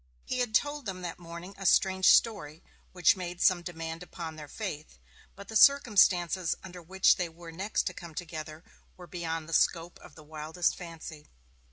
He had told them that morning a strange story, which made some demand upon their faith, but the circumstances under which they were next to come together were beyond the scope of the wildest fancy.